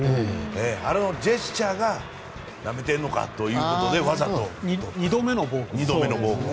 あれのジェスチャーがなめてんのかということでわざと２度目のボーク。